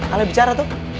ale bicara tuh